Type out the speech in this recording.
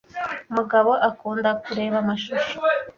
Mugabo akunda kureba amashusho